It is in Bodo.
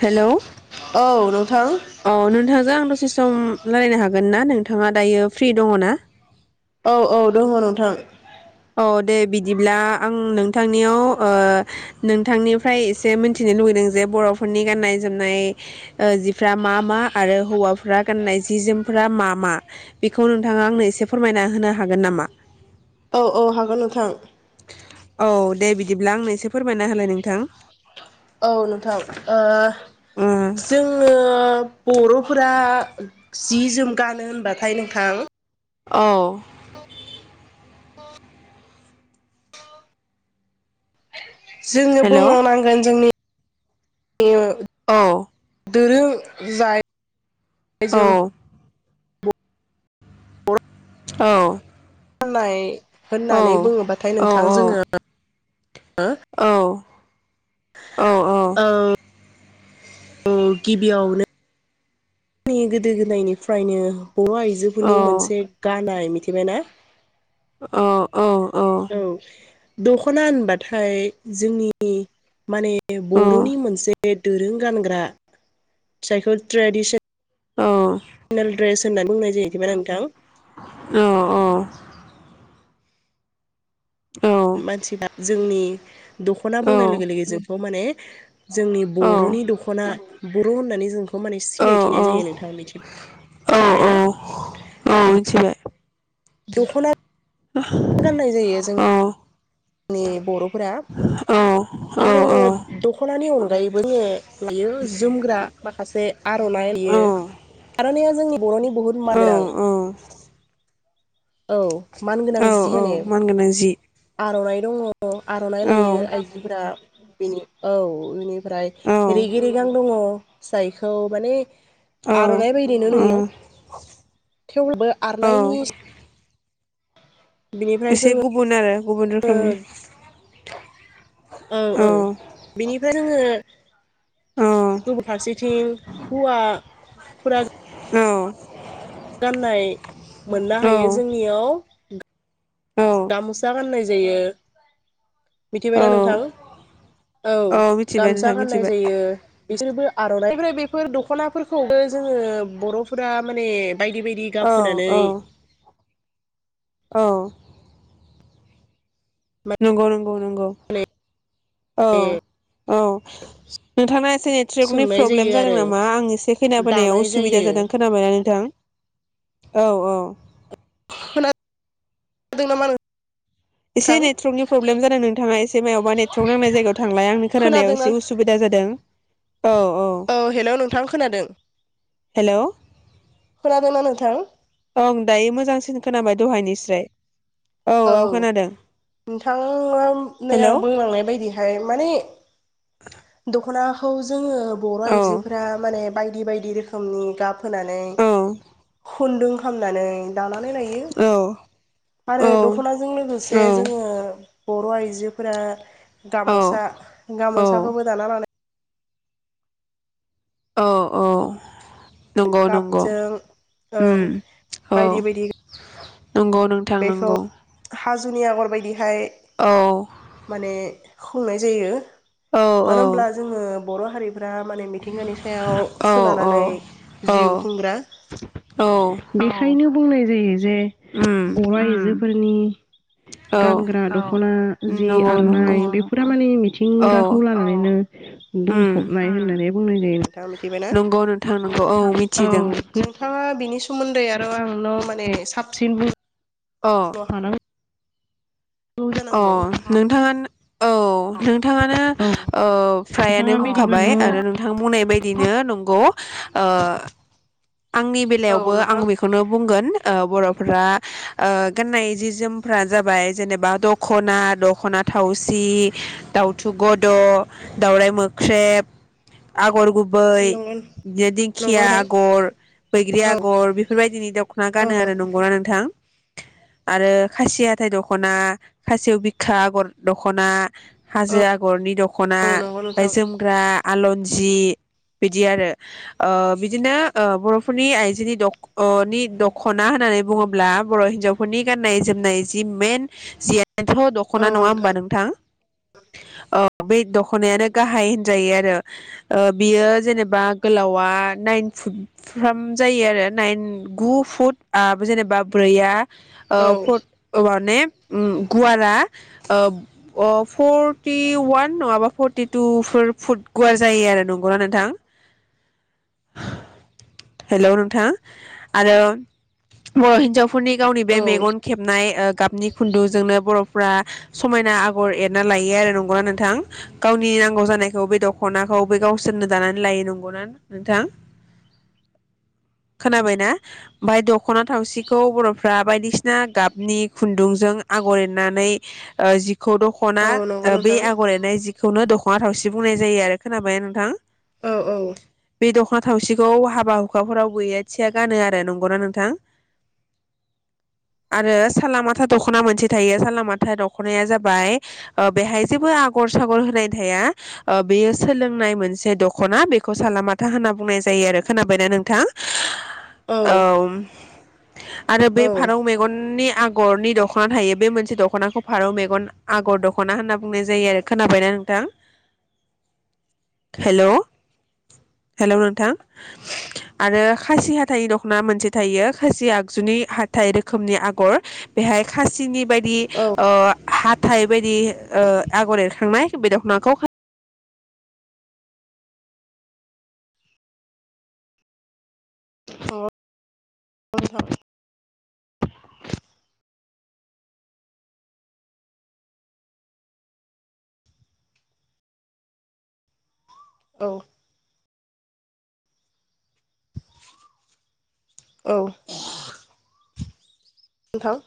हेलौ औ नोंथां औ नोंथाङांजों आं दसे सम रायलायनो हागोन ना नोंथाङा दायो फ्रि दङ ना? औ औ दङ नोंथां औ दे बिदिब्ला आं नोंथांनियाव ओ नोंथांनिफ्राय एसे मिथिनो लुगैदों जे बर'फोरनि गाननाय जोमनाय ओ जिफ्रा मा मा आरो हौवाफ्रा गाननाय जि जोमफोरा मा मा? बेखौ नोंथाङा आंनो एसे फोरमायना होनो हागोन नामा? औ औ हागोन नोंथां। औ दे बिदिब्ला आंनो एसे फोरमायना होलाय नोंथां औ नोंथां ओ ओ उम जोङो। ओ बर'फोरा जि जोम गानो होनबाथाय नोंथां। औ। जोङो हेलौ बुंनो नांगोन जोंनि ए ओ औ दोरों जायो। औ बर' औ होननाय औ होननानै बुङोबाथाय नोंथां औ जोङो औ औ औ ओ औ गिबियावनो आंनि गोदो गोदायनिफ्रायनो हौवा आइजोफोरनि मोनसे गानाय मिथिबायना [unintelligible] औ औ दख'ना होनबाथाय जोंनि माने [unintelligible] बर'नि मोनसे बे दुरुं गानग्रा फिसायखौ ट्रेडिसन औ नेल ड्रेस होननानै बुंनाय [unintelligible] औ औ मानसि [unintelligible] जोंनि दख'ना बुंनाय लोगो लोगो जोंखौ माने जोंनि बर'नि दख'ना बर' होननानै जोंखौ माने सिनायथिनाय जायो नोंथां मिथि बेना औ मिथिबाय। दख'ना गाननाय जायो जों जोंनि बर'फोरा मिथिबाय औ आरो औ दख'नानि अनगायैबो जोङो बेयो जोमग्रा माखासे आर'नाइ नुयो आर'नाइया जोंनि बर'नि बुहुत औ मानगोनां। औ मानगोनां जि होनो। मान गोनां जि। आर'नाइ दङ' आर'नाइ औ लायो आइजोफोरा बेनि औ इनिफ्राय औ रिगि रिगां दङ' फिसाइखौ माने औ आर'नाइ बायदिनो नुयो [unintelligible] औ आरनाइनि बिनिफ्राय एसे जोङो गुबुन आरो गुबुन रोखोमनि औ औ बेनिफ्राय जोङो औ गुबुन फारसेथिं हुवा फोरा औ गाननाय मोननो औ हायो जोंनियाव गाम'सा गाननाय जायो औ मिथिबायना नोंथां औ मिथिबाय गामसा नोंथां गाननाय मिथिबाय जायो बिसोरबो आर'नाइ ओमफ्राय बेफोर दख'नाफोरखौबो जोङो बर'फोरा माने बायदि बायदि औ गाब फोनानै औ औ नंगौ नंगौ नंगौ माने औ औ नोंथांना एसे नेटर्वाकनि सोंनाय जायो प्रब्लेम जादों आरो नामा आं एसे खेनाबोनायाव दानाय जायो उसुबिदा जादों खोनाबायना नोंथां औ औ दों नामा एसे नोंथां नेटवर्कनि प्रब्लेम जादों नोंथाङा एसे मायावबा नेटवर्क नांनाय जायगायाव थांलाय आंनि खोनानायाव खोनादोंना एसे उसुबिदा जादों औ हेल' नोंथां खोनादों हेलौ खोनादोंना नोंथां थां ओं दायो मोजांसिन खोनाबाय दहायनिस्राय औ नोंथाङा नै हेलौ आं बुंलांनाय बायदिहाय माने दखनाखौ जों जोङो बर' औ आइजोफोरा माने बायदि बायदि बायदि रोखोमनि गाब होनानै औ खुन्दुं खालामनानै दानानै लायो औ औ आरो दख'नाजों लोगोसे जोङो बर' आइजोफोरा औ गामोसा गामसा औ [unintelligible] औ औ नंगौ नंगौ गाबजों औ उम औ बायदि बायदि नंगौ नोंथां नंगौ ओमफ्राय औ माने खुंनाय जायो मानो होनोमब्ला जोङो बर' हारि फुरा माने मिथिंगानि सायाव औ सोनारनानै जिउ औ खुंग्रा औ बेखायनो बुंनाय जायो उम उम जो फोरनि औ गानग्रा दख'ना जि नंगौ नंगौ आर'नाइ बेफोरो माने मिथिंगाखौ औ लानानैनो उम बुंफबनाय होननानै बुंनाय जायो मिथिबायना नंगौ नोंथां नंगौ औ औ मिथिदों नोंथाङा बिनि सोमोन्दै आरो आंन' माने साबसिन बुं अ [unintelligible] अ जानांगौ औ नोंथाङानो औ नोंथाङानो औ फ्रायानो नोंथाङा बिदिब्ला बुंखाबाय न' औ आरो नोंथां बुंनाय बायदिनो नंगौ ओ आंनि बेलायावबो आं नोंथां बेखौनो बुंगोन ओ बर'फ्रा ओ गाननाय जि जोमफ्रा जाबाय जेनेबा दख'ना, दख'ना थावसि, दाउथु गद, दाउराइ मोख्रेब, आगर गुब बै नंगौ बिदिनो नंगौ दिंखिया नोंथां आगर बैग्रि औ आगर बेफोरबायदिनि दख'ना औ गानो आरो नंगौना नोंथां? आरो खासि हाथाय दख'ना खासेव बिखा आगर दख'ना औ हाजो आगरनि दखना नंगौ ओमफाय नोंथां जोमग्रा आलनज जि बिदि आरो ओ बिदिनो ओ बर'फोरनि आइजोनि दख अ नि दख'ना होननानै बुङोब्ला बर' हिन्जावफोरनि गान्नाय जोमनाय जि मेन जि बेन्थ' दख'ना नङा होमबा नोंथां? अ बे दख'नायानो गाहाय होनजायो आरो ओ बियो जेनेबा गोलावा नाइन फुट फ्राम जायो आरो नाइन गु फुटआ जेनेबा ब्रैआ ओ औ फर औवाद ने उम गुवारा ओ ओ फर्टिवान नङाबा फर्टिथुफोर फुट गुवार जायो आरो नंगौना नोंथां? हेलौ नोंथां आरो बर' हिनजाव फोरनि गावनि औ बे मेगन खेबनाय ओ गाबनि खुन्दुंजोंनो बर'फ फ्रा समायना आगर एरना लायो आरो नंगौना नोंथां गावनि नांगौ जानायखौ बे दख'नाखौ बे गावसोरनो दानानै लायो नंगौना नोंथां? खोनाबायना ओमफाय दख'ना थावसिखौ बर'फ्रा बायदिसिना गाबनि खुन्दुंजों आगर एरनानै ओ जि खौ दख'ना नंगौ ओ बे नोंथां आगर एनाय जि खौनो दख'ना थावसि बुंनाय जायो आरो। खोनाबाय ना नोंथां? औ औ बे दख'ना थावसिखौ हाब बा हुखाफोराव बैरा थिया गानो आरो नंगौना नोंथां? आरो सालामलामाथा दख'ना मोनसे थायो सालामाथा दख'नाया जाबाय ओ बेहाय जेबो आगर सागर होनाय थाया ओ बेयो सोलोंनाय मोनसे दख'ना बेखौ सालामाथा होनना बुंनाय जायो आरो। खोनाबायना नोंथां? औ उम आरो बे औ फारौ नंगौ मेगननिया आगरनि दख'ना थायो बे मोनसे दख'नाखौ फारौ मेगन आगर दख'ना होनना बुंनाय जायो आरो। खोनाबायना नोंथां? हेल' हेलौ नोंथां आरो खासि हाथाइनि दख'ना मोनसे थायो खासि आगजुनि हाथाइ रोखोमनि आगर बेहाय खासिनि बायदि नोंथां ओ हाथाइ बायदि ओ आगर एरखांनाय बे दखनाखौ फान [unintelligible] औ औ नोथां